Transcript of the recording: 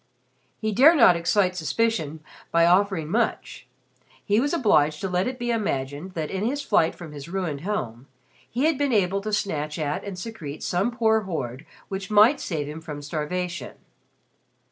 He dare not excite suspicion by offering much. He was obliged to let it be imagined that in his flight from his ruined home he had been able to snatch at and secrete some poor hoard which might save him from starvation.